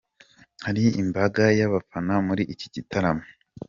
Hari imbaga y'abafana muri iki gitaramo.